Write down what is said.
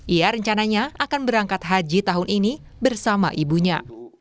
ia rencananya akan berangkat haji tahun ini bersama ibunya